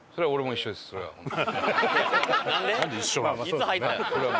いつ入った？